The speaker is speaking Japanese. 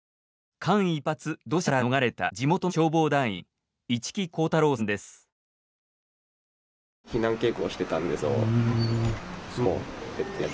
間一髪土砂から逃れた地元の消防団員一木航太郎さんです。